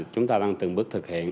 chúng ta đang từng bước thực hiện